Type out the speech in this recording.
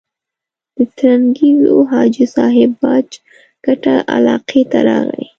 د ترنګزیو حاجي صاحب باج کټه علاقې ته راغی.